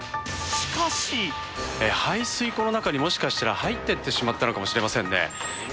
排水溝の中にもしかしたら入っていってしまったのかもしれませんね。